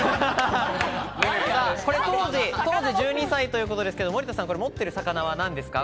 これ当時１２歳ということですが、森田さん、持ってる魚はなんですか？